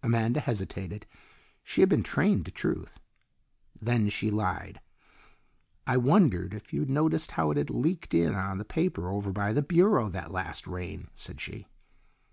Amanda hesitated. She had been trained to truth. Then she lied. "I wondered if you'd noticed how it had leaked in on the paper over by the bureau, that last rain," said she.